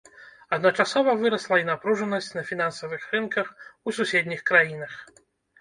Адначасова вырасла і напружанасць на фінансавых рынках у суседніх краінах.